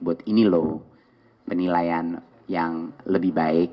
buat ini loh penilaian yang lebih baik